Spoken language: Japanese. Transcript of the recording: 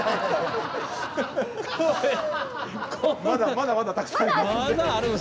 まだまだたくさんありますんで。